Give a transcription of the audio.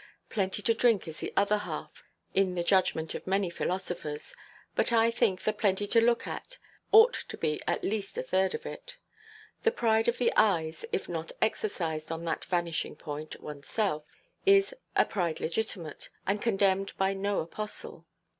Plenty to drink is the other half, in the judgment of many philosophers. But I think that plenty to look at it ought to be at least a third of it. The pride of the eyes, if not exercised on that vanishing point, oneself, is a pride legitimate, and condemned by no apostle.